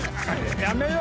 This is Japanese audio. やめろよ！